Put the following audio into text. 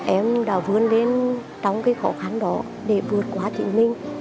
em đã vươn lên trong cái khó khăn đó để vượt qua chị minh